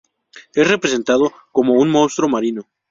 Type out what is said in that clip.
Es representado como un monstruo marino.